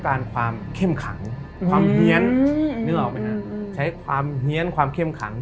ความเหนียนนึกออกไหมใช้ความเหนียนความเข้มขัง